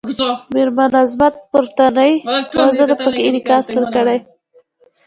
میرمن عظمت پورتنۍ موضوع ته پکې انعکاس ورکړی.